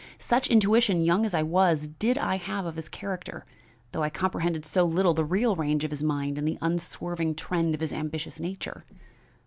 Such intuition, young as I was, did I have of his character, though I comprehended so little the real range of his mind and the unswerving trend of his ambitious nature.